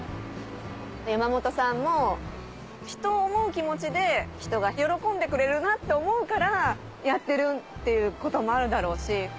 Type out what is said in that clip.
山本さんも人を思う気持ちで人が喜んでくれるなって思うからやってるっていうこともあるだろうし。